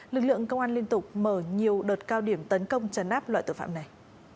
lực lượng công an liên tục mở nhiều đợt cao điểm tấn công chấn áp loại tội phạm này